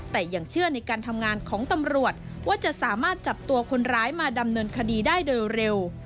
แต่ยังเชื่อในการทำงานของตำรวจว่าจะสามารถจับตัวคนร้ายมาดำเนินคดีได้โดยเร็ว